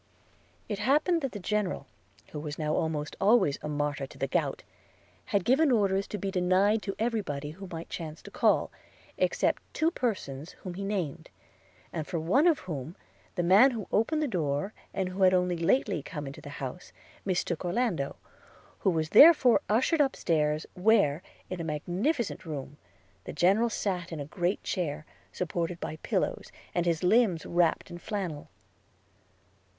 It happened that the General, who was now almost always a martyr to the gout, had given orders to be denied to every body who might chance to call, except two persons whom he named, and for one of whom the man who opened the door, and who had only lately come into the house, mistook Orlando, who was therefore ushered up stairs, where, in a magnificent room, the General sat in a great chair, supported by pillows, and his limbs wrapped in flannel.